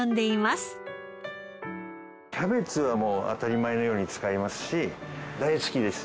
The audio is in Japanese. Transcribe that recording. キャベツはもう当たり前のように使いますし大好きです。